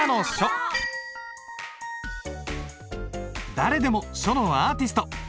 誰でも書のアーティスト！